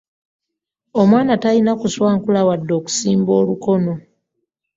Omwana talina ku swankula wadde okusimba olukono.